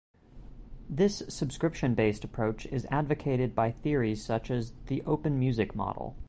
This subscription-based approach is advocated by theories such as the Open Music Model.